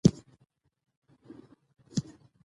همدغسې د متن ښځمن ليدلورى متن